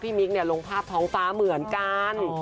พี่มิ๊กเนี่ยลงภาพท้องฟ้าเหมือนกัน